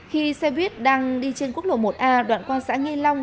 khi xe buýt đang đi trên quốc lộ một a đoạn quan xã nghiên long